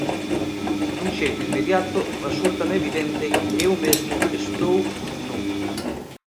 Dun xeito inmediato resúltame evidente que eu mesmo estou nu.